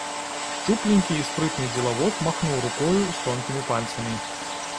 Шчупленькі і спрытны дзелавод махнуў рукою з тонкімі пальцамі.